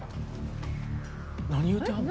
何言うてはんの？